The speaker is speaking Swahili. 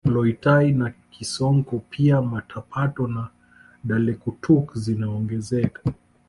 Loitai na Kisonko pia Matapato na Dalalekutuk zinaongezeka